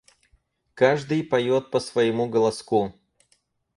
Каждый поет по своему голоску!